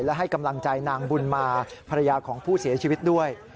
และให้กำลังใจนางบุญมาภรรยาของผู้เสียชีวิตด้วย